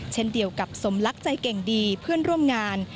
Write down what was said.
เช่นเดียวกับสมลักษณ์ใจเก่งดีเพื่อนร่วมงาน